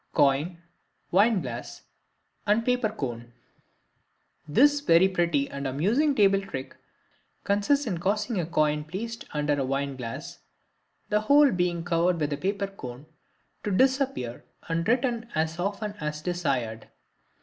Coin, Wine glass, and Paper Cone.—This very pretty and amusing table trick consists in causing a coin placed under a wine glass, the whole being covered with a paper cone, to disappear and return as often as desired.